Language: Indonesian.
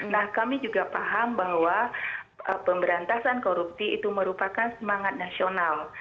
nah kami juga paham bahwa pemberantasan korupsi itu merupakan semangat nasional